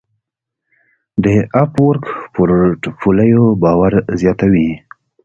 د افورک پورټفولیو باور زیاتوي.